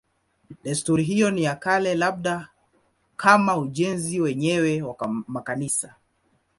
Desturi hiyo ni ya kale, labda kama ujenzi wenyewe wa makanisa.